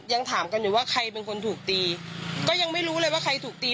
ยังถามกันอยู่ว่าใครเป็นคนถูกตีก็ยังไม่รู้เลยว่าใครถูกตี